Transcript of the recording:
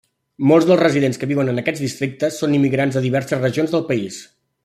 Molts dels residents que viuen en aquests districtes són immigrants de diverses regions del país.